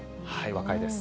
若いです。